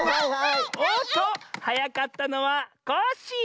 おっとはやかったのはコッシー！